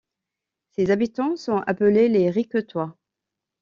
Ses habitants sont appelés les Riquetois.